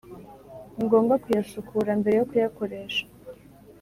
ni ngombwa kuyasukura mbere yokuyakoresha.